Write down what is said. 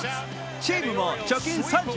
チームも貯金３０。